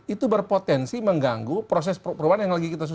itu berpotensi mengganggu proses perubahan yang lagi kita sebut